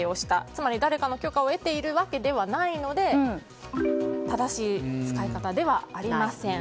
つまり、誰かの許可を得ているわけではないので正しい使い方ではありません。